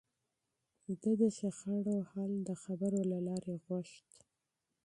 ده د شخړو حل د خبرو له لارې غوښت.